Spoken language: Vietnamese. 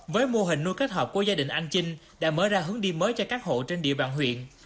với mô hình nuôi kết hợp của gia đình anh chinh đã mở ra hướng đi mới cho các hộ trên địa bàn huyện